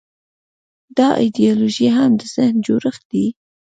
دا ایدیالوژي هم د ذهن جوړښت دی.